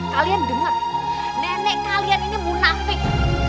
kalian dengar nenek kalian ini munafik